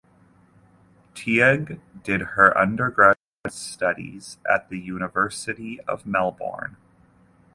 Teague did her undergraduate studies at the University of Melbourne.